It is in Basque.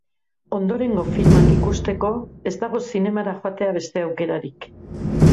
Ondorengo filmak ikusteko ez dago zinemara joatea beste aukerarik.